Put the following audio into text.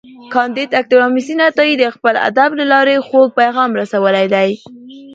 کانديد اکاډميسن عطایي د خپل ادب له لارې خوږ پیغام رسولی دی.